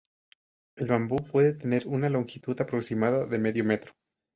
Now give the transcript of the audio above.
El bambú puede tener una longitud aproximada de medio metro.